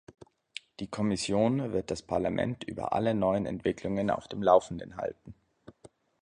Die Kommission wird das Parlament über alle neuen Entwicklungen auf dem laufenden halten.